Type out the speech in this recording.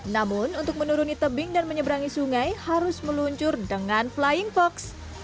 namun untuk menuruni tebing dan menyeberangi sungai harus meluncur dengan flying fox